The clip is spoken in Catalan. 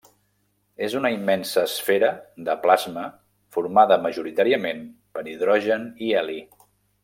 És una immensa esfera de plasma formada majoritàriament per hidrogen i heli.